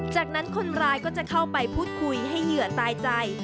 จากนั้นคนร้ายก็จะเข้าไปพูดคุยให้เหยื่อตายใจ